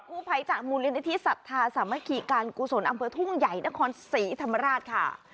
กู้ภัยจากมูลนิธิสัทธาสามัคคีการกุศลอำเภอทุ่งใหญ่นครศรีธรรมราชค่ะ